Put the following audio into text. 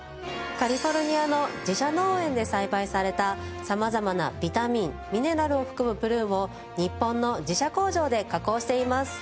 カリフォルニアの自社農園で栽培された様々なビタミンミネラルを含むプルーンを日本の自社工場で加工しています。